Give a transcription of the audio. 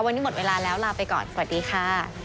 วันนี้หมดเวลาแล้วลาไปก่อนสวัสดีค่ะ